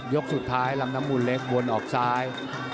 ยกสุดท้ายลำน้ำมูลเล็กวนออกซ้าย